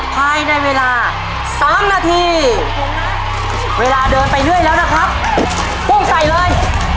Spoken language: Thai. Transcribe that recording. พายได้เวลาสามนาทีเวลาเดินไปด้วยแล้วนะครับพุ่งใส่เลย